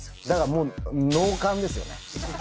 だからもう、ノーカンですよね。